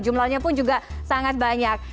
jumlahnya pun juga sangat banyak